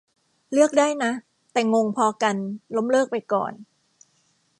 เลือกได้นะ แต่งงพอกัน ล้มเลิกไปก่อน